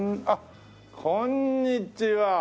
あっこんにちは。